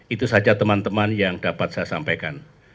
itu saja teman teman yang dapat saya sampaikan